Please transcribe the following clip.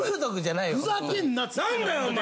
なんだよお前！